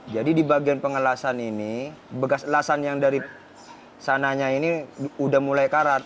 jadi di bagian pengelasan ini bekas lasan yang dari sananya ini udah mulai karat